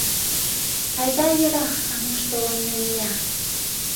Айда йӧра, Ануш толын намия.